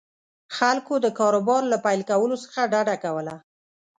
خلکو د کاروبار له پیل کولو څخه ډډه کوله.